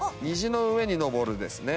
虹の上に上るですね。